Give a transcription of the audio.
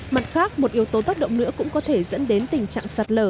mặt khác một yếu tố tác động nữa cũng có thể dẫn đến tình trạng sạt lở